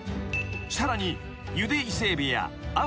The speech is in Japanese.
［さらに］